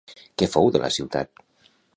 Què fou de la ciutat?